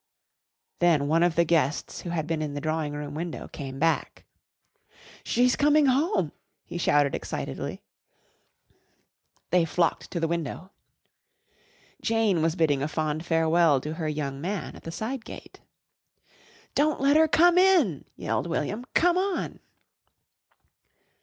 Then one of the guests who had been in the drawing room window came back. "She's coming home!" he shouted excitedly. They flocked to the window. Jane was bidding a fond farewell to her young man at the side gate. "Don't let her come in!" yelled William. "Come on!"